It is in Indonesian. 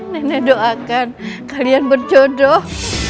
nenek doakan kalian berjodoh